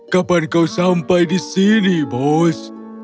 kapan kau sampai di sini bos